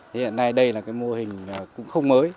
hiện nay đây là mô hình cũng không mới